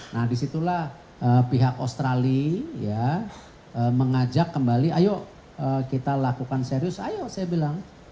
nah disitulah pihak australia mengajak kembali ayo kita lakukan serius ayo saya bilang